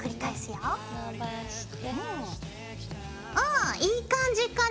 うんいい感じかな。